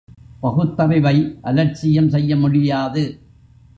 பகுத்தறிவை அலட்சியம் செய்ய முடியாது.